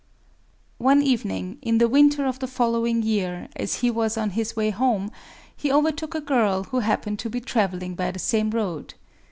One evening, in the winter of the following year, as he was on his way home, he overtook a girl who happened to be traveling by the same road.